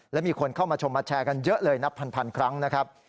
และมีคนเข้ามาชมมาแชร์กันเยอะเลยนับพันครั้งนะครับ